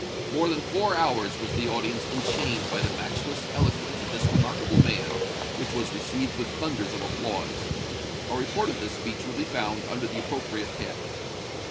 More than four hours was the audience enchained by the matchless eloquence of this remarkable man, which was received with thunders of applause. A report of this speech will be found under the appropriate head."